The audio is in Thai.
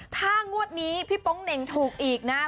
ถ้างวดนี้พี่โป๊งเหน่งถูกอีกนะ